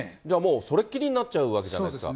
もうそれっきりになっちゃうわけじゃないですか。